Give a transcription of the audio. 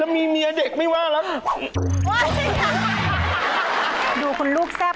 แล้วมีเมียเด็กไม่ว่าแล้ว